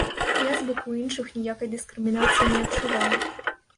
Я з боку іншых ніякай дыскрымінацыі не адчуваю.